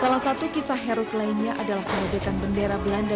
salah satu kisah herut lainnya adalah pengobelkan bendera belanda